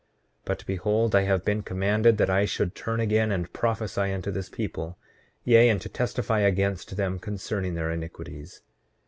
8:25 But behold, I have been commanded that I should turn again and prophesy unto this people, yea, and to testify against them concerning their iniquities.